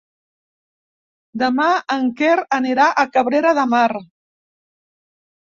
Demà en Quer anirà a Cabrera de Mar.